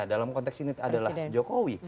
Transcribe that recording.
dalam konteks ini adalah jokowi